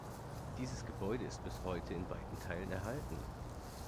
Dieses Gebäude ist bis heute in weiten Teilen erhalten.